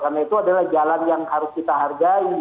karena itu adalah jalan yang harus kita hargai